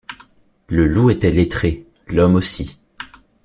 Le loup était lettré, l’homme aussi.